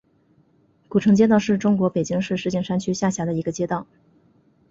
古城街道是中国北京市石景山区下辖的一个街道。